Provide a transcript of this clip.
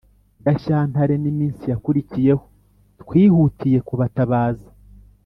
gashyantaren’iminsi yakurikiyeho, twihutiyekubatabaza